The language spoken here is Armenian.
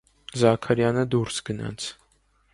Զաքարյանը դուրս գնաց: